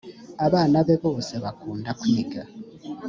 abana be bose bakunda kwiga.